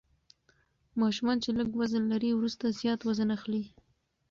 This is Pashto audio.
ماشومان چې لږ وزن لري وروسته زیات وزن اخلي.